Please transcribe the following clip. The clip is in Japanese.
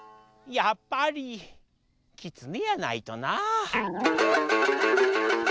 やっぱりきつねやないとな。